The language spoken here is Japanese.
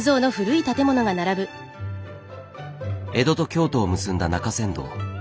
江戸と京都を結んだ中山道。